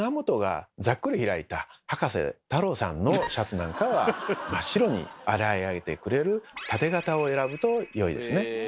葉加瀬太郎さんのシャツなんかは真っ白に洗い上げてくれるタテ型を選ぶとよいですね。